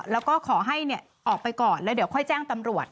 แล้วก็ขอให้ออกไปก่อนแล้วเดี๋ยวค่อยแจ้งตำรวจ